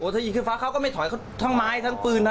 ถ้ายิงขึ้นฟ้าเขาก็ไม่ถอยเขาทั้งไม้ทั้งปืนนะ